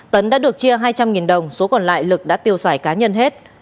tấn đã được chia hai trăm linh đồng số còn lại lực đã tiêu xài cá nhân hết